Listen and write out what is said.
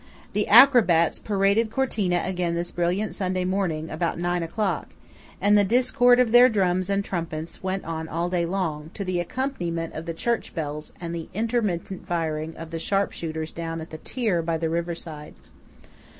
The acrobats paraded Cortina again this brilliant Sunday morning about nine o'clock, and the discord of their drums and trumpets went on all day long, to the accompaniment of the church bells and the intermittent firing of the sharp shooters down at the "Tir" by the river side.